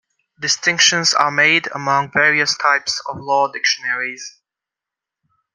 Distinctions are made among various types of law dictionaries.